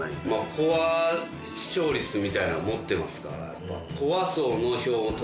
コア視聴率みたいなの持ってますからやっぱ。